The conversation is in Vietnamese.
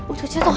ôi trời chết rồi